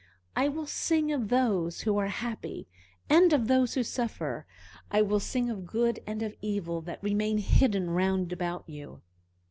I will sing of those who are happy and of those who suffer. I will sing of good and of evil that remain hidden round about you.